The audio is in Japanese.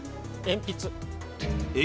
鉛筆。